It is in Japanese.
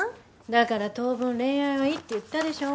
だから当分恋愛はいいって言ったでしょ？